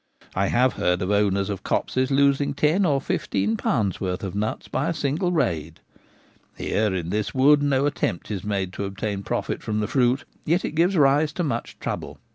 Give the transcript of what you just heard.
I have heard of owners of copses losing ten or fifteen pounds' worth of nuts by a single raid. Here, Wanton Mischief. 137 in this wood, no attempt is made to obtain profit from the fruit, yet it gives rise to much trouble.